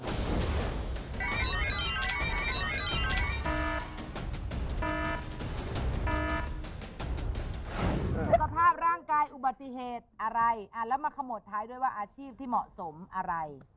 สุขภาพร่างกายอุบัติเหตุอะไรแล้วมาขโมยท้ายด้วยว่าอาชีพที่เหมาะสมอะไร